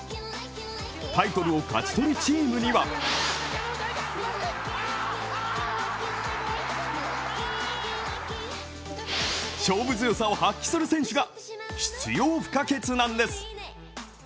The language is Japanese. タイトルを勝ち取るチームには勝負強さを発揮する選手が、必要不可欠なんです。